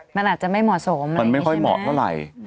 มันอาจจะไม่เหมาะสมมันไม่ค่อยเหมาะเท่าไหร่